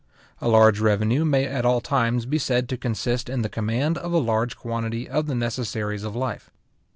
A large revenue may at all times be said to consist in the command of a large quantity of the necessaries of life.